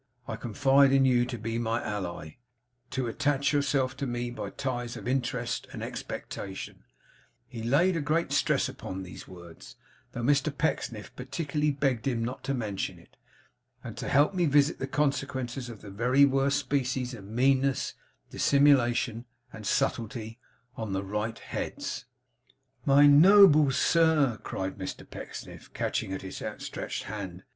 I confide in you to be my ally; to attach yourself to me by ties of Interest and Expectation' he laid great stress upon these words, though Mr Pecksniff particularly begged him not to mention it; 'and to help me to visit the consequences of the very worst species of meanness, dissimulation, and subtlety, on the right heads.' 'My noble sir!' cried Mr Pecksniff, catching at his outstretched hand.